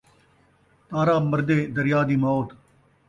تارا مردے دریا دی موت